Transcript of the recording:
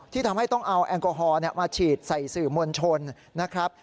ทำให้ต้องเอาแอลกอฮอล์มาฉีดใส่สื่อมวลชนนะครับ